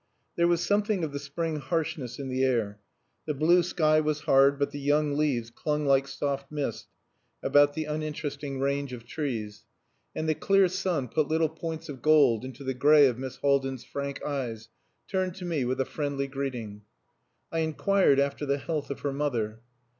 There was something of the spring harshness in the air. The blue sky was hard, but the young leaves clung like soft mist about the uninteresting range of trees; and the clear sun put little points of gold into the grey of Miss Haldin's frank eyes, turned to me with a friendly greeting. I inquired after the health of her mother.